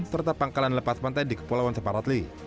serta pangkalan lepas pantai di kepulauan separatli